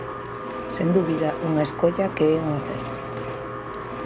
Sen dúbida, unha escolla que é un acerto.